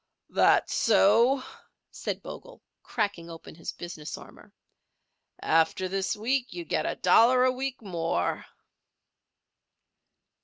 "That so?" said Bogle, cracking open his business armour. "After this week you get a dollar a week more."